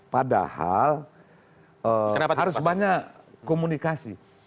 padahal harus banyak komunikasi